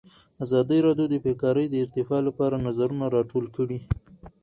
ازادي راډیو د بیکاري د ارتقا لپاره نظرونه راټول کړي.